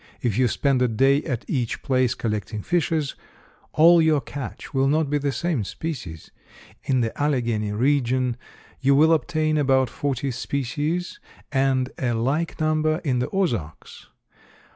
If you spend a day at each place collecting fishes all your catch will not be the same species. In the Alleghany region you will obtain about forty species, and a like number in the Ozarks.